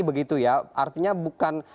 begitu ya artinya bukan